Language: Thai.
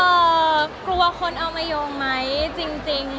เออกลัวว่าคนเอามาย่อมไหมจริงอย่างที่บอกค่ะ